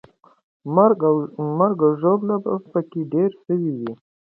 مرګ او ژوبله به پکې ډېره سوې وي.